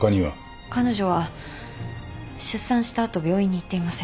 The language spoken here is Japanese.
彼女は出産した後病院に行っていません。